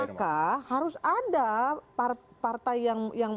maka harus ada partai yang